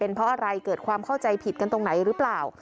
เพราะอะไรเกิดความเข้าใจผิดกันตรงไหนหรือเปล่า